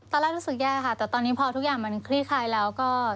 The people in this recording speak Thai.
ตอนแรกรู้สึกแย่ค่ะแต่ตอนนี้พอทุกอย่างมันคลี่คลายแล้วก็